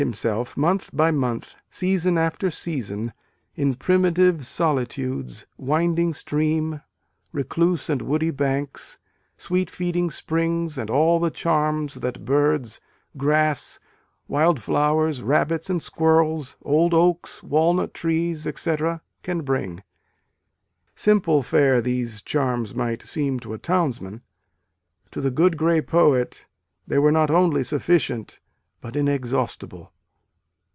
himself, month by month, season after season, in " primitive solitudes, winding stream, recluse and woody banks, sweet feeding springs and all the charms that birds, grass, wild flowers, rabbits and squirrels, old oaks, walnut trees, etc., can bring." Simple fare, these charms might seem to a townsman : to the "good grey poet" they were not only sufficient but inex haustible.